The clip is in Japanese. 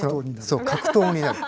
そう格闘になる。